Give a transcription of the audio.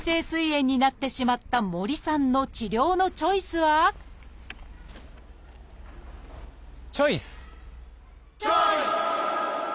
炎になってしまった森さんの治療のチョイスはチョイス！